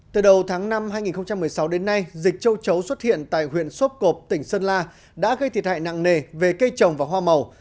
từ đầu tháng năm hai nghìn một mươi sáu đến nay dịch châu chấu xuất hiện tại huyện sốp cộp tỉnh sơn la đã gây thiệt hại nặng nề về cây trồng và hoa màu